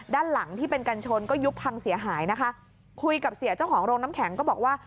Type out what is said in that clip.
ด้านหลังที่เป็นกันชนก็ยุบพังเสียหายนะคะคุยกับเสียเจ้าของโรงน้ำแข็งก็บอกว่า